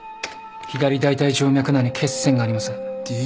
左大腿静脈内に血栓があります